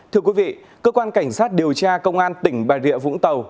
thưa quý vị cơ quan cảnh sát điều tra công an tỉnh bà rịa vũng tàu